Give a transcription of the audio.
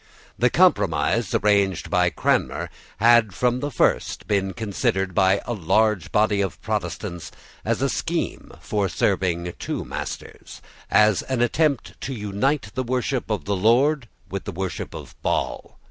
The compromise arranged by Cranmer had from the first been considered by a large body of Protestants as a scheme for serving two masters, as an attempt to unite the worship of the Lord with the worship of Baal.